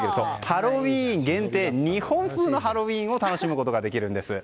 ハロウィーン限定日本風のハロウィーンを楽しむことができるんです。